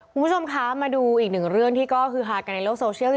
คุณผู้ชมคะมาดูอีกหนึ่งเรื่องที่ก็คือฮากันในโลกโซเชียล